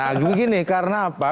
nah begini karena apa